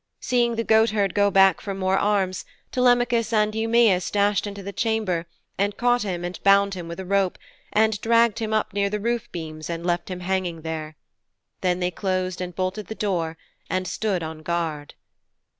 Seeing the goatherd go back for more arms, Telemachus and Eumæus dashed into the chamber, and caught him and bound him with a rope, and dragged him up near the roof beams, and left him hanging there. Then they closed and bolted the door, and stood on guard.